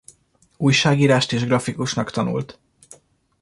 Újságírást és grafikusnak tanult.